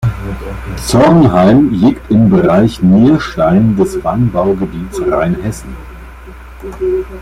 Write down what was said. Zornheim liegt im "Bereich Nierstein" des Weinbaugebiets Rheinhessen.